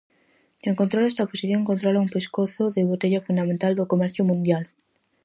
Quen controla esta posición controla un pescozo de botella fundamental do comercio mundial.